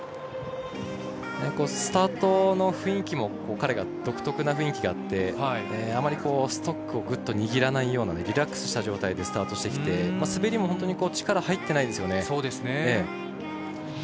スタートの雰囲気も彼は独特な雰囲気があってあまりストックをぐっと握らないようなリラックスした状態でスタートしてきて滑りも力が入っていないんですね。